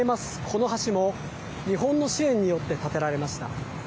この橋も日本の支援によって建てられました。